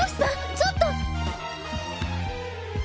ちょっと。